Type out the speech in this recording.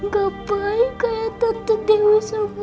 gak baik kayak tante dewi semua om dokter